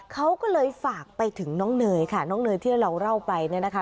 เขาก็เลยฝากไปถึงน้องเนยค่ะน้องเนยที่เราเล่าไปเนี่ยนะคะ